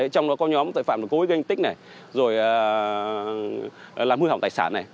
trong đó có nhóm tội phạm có cái ganh tích này rồi làm hư hỏng tài sản này